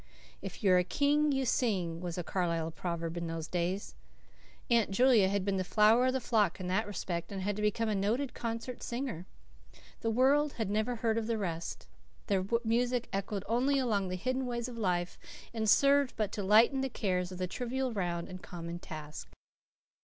"If you're a King, you sing," was a Carlisle proverb in those days. Aunt Julia had been the flower of the flock in that respect and had become a noted concert singer. The world had never heard of the rest. Their music echoed only along the hidden ways of life, and served but to lighten the cares of the trivial round and common task.